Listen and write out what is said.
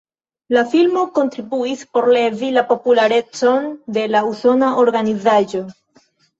La filmo kontribuis por levi la popularecon de la usona organizaĵo.